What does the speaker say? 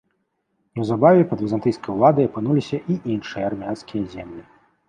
Неўзабаве пад візантыйскай уладай апынуліся і іншыя армянскія землі.